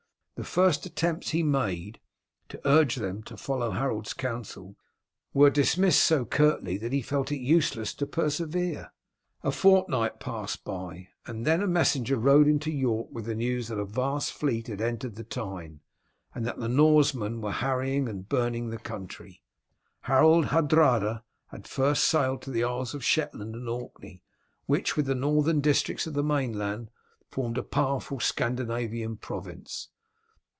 The first attempts he made to urge them to follow Harold's counsel were dismissed so curtly that he felt it useless to persevere. A fortnight passed by, and then a messenger rode into York with the news that a vast fleet had entered the Tyne, and that the Norsemen were harrying and burning the country. Harold Hardrada had first sailed to the Isles of Shetland and Orkney, which, with the northern districts of the mainland, formed a powerful Scandinavian province.